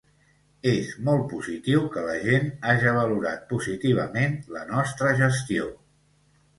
És molt positiu que la gent haja valorat positivament la nostra gestió.